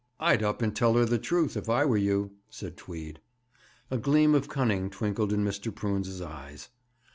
'I'd up and tell her the truth, if I were you,' said Tweed. A gleam of cunning twinkled in Mr. Prunes's eyes.